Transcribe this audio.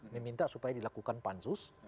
meminta supaya dilakukan pansus